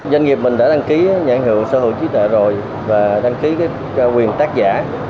doanh nghiệp mình đã đăng ký nhà ảnh hưởng sở hữu trí tệ rồi và đăng ký cái quyền tác giả